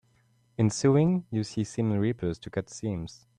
In sewing, you use seam rippers to cut seams.